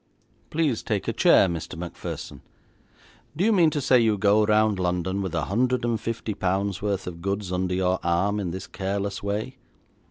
'Please take a chair, Mr. Macpherson. Do you mean to say you go round London with a hundred and fifty pounds worth of goods under your arm in this careless way?'